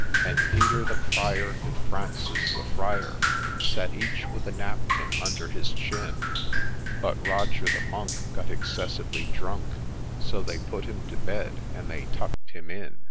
And Peter the Prior, and Francis the Friar, Sat each with a napkin under his chin ; But Roger the Monk got excessively drunk, So they put him to bed, and they tuck'd him in